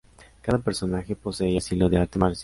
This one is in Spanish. Cada personaje poseía un estilo de arte marcial real y único.